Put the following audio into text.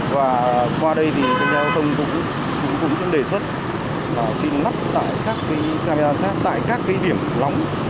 và qua đây thì tham gia giao thông cũng đề xuất xin lắp đặt camera giám sát tại các điểm nóng